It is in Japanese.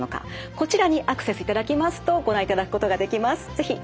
こちらにアクセスいただきますとご覧いただくことができます。